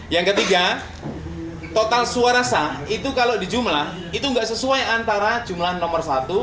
yang ketiga total suara sah itu kalau dijumlah itu nggak sesuai antara jumlah nomor satu